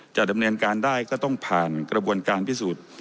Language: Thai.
จะดำเนินการได้ก็ต้องผ่านกระบวนการพิสูจน์